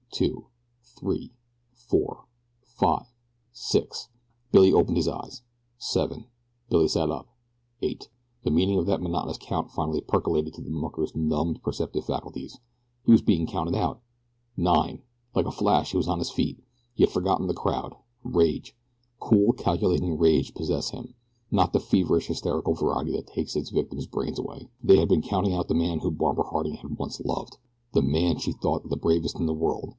Two. Three. Four. Five. Six. Billy opened his eyes. Seven. Billy sat up. Eight. The meaning of that monotonous count finally percolated to the mucker's numbed perceptive faculties. He was being counted out! Nine! Like a flash he was on his feet. He had forgotten the crowd. Rage cool, calculating rage possessed him not the feverish, hysterical variety that takes its victim's brains away. They had been counting out the man whom Barbara Harding had once loved! the man she had thought the bravest in the world!